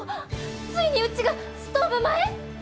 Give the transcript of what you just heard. ついにうちがストーブ前？